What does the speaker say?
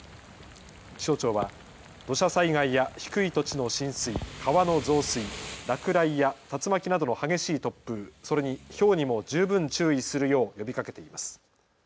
気象庁は土砂災害や低い土地の浸水、川の増水、落雷や竜巻などの激しい突風、それにひょうにも十分注意するよう呼びかけています。